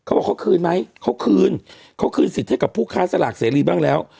บอกเขาคืนไหมเขาคืนเขาคืนสิทธิ์ให้กับผู้ค้าสลากเสรีบ้างแล้ว